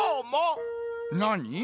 なに？